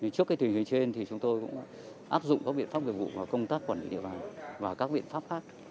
trước cái thuyền hồi trên thì chúng tôi cũng áp dụng các biện pháp về vụ và công tác quản lý địa bàn và các biện pháp khác